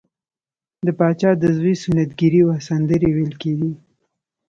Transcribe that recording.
د پاچا د زوی سنت ګیری وه سندرې ویل کیدې.